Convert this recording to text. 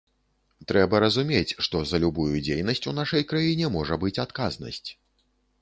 Трэба разумець, што за любую дзейнасць у нашай краіне можа быць адказнасць.